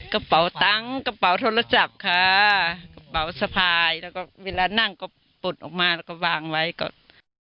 กระเป๋าตังค์กระเป๋าโทรศัพท์ค่ะกระเป๋าสะพายแล้วก็เวลานั่งก็ปลดออกมาแล้วก็วางไว้ก็